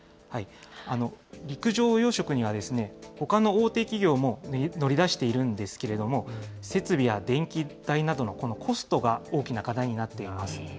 陸上養殖にはほかの大手企業も乗り出しているんですけれども、設備や電気代などのコストが大きな課題になっています。